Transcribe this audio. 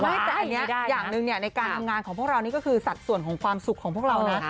ไม่แต่อันนี้อย่างหนึ่งในการทำงานของพวกเรานี่ก็คือสัดส่วนของความสุขของพวกเรานะ